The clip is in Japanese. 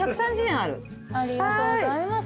ありがとうございます。